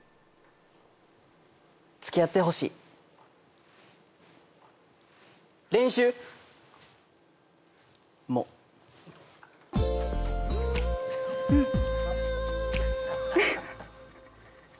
つきあってほしい練習もうんウフッ